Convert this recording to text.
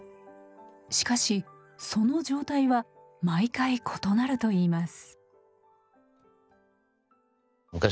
しかしその状態は毎回異なると言います。